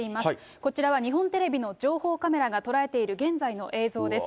こちらは日本テレビの情報カメラが捉えている現在の映像です。